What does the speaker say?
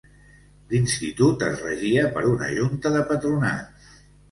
L'Institut es regia per una Junta de Patronat.